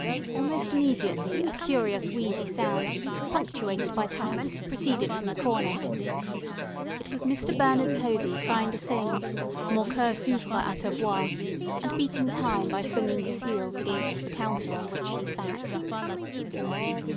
Almost immediately a curious wheezy sound, punctuated by taps, proceeded from the corner. It was Mr. Bernard Tovey trying to sing, "Mon coeur s'ouvr' à ta voix," and beating time by swinging his heels against the counter on which he sat.